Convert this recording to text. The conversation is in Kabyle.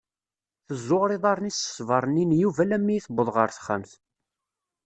Teẓuɣer iḍaren-is s sber-nni n Yub alammi i tewweḍ ɣer texxamt.